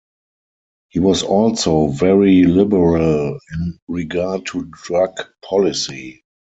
He was also very liberal in regard to drug policy.